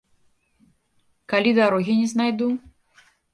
Калі дарогі не знайду?